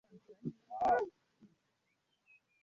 Liliana Pechenè kiongozi wa Asili aliliambia gazeti la El Tiempo